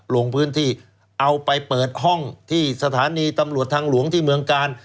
ลงพื้นที่เอาไปเปิดห้องที่สถานีตำรวจทางหลวงที่เมืองกาล